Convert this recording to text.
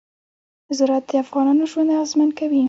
زراعت د افغانانو ژوند اغېزمن کوي.